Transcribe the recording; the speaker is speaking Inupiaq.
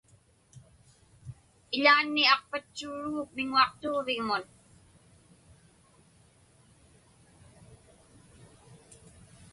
Iḷaanni aqpatchuuruguk miŋuaqtuġviŋmun.